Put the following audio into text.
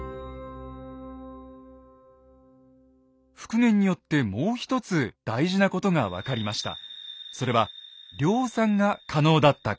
復元によってもう一つ大事なことが分かりました。